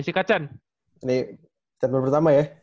sikat chan ini statement pertama ya